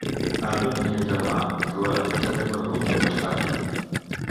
Harve tenia un germà, Ruel, també conegut com a "Sparkie".